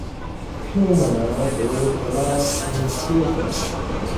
فیونگما نہ دو کھو لہ فُور ہرتے سونگس